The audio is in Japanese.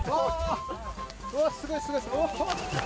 すごいすごい。